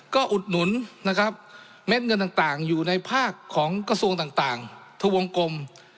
ก็อุดหนุนนะครับเม็ดเงินต่างอยู่ในภาคของกระทรวงต่างทวงกลม